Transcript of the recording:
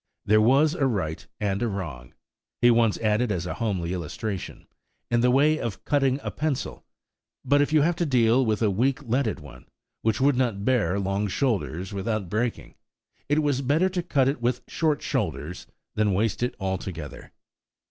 There was a right and a wrong–he once added as a homely illustration–in the way of cutting a pencil; but if you have to deal with a weak leaded one, which would not bear long shoulders without breaking, it was better to cut it with short shoulders than waste it altogether.